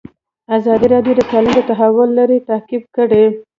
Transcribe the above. ازادي راډیو د تعلیم د تحول لړۍ تعقیب کړې.